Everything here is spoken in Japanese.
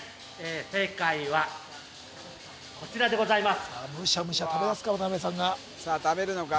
正解はこちらでございます